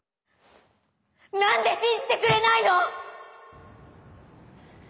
何で信じてくれないの！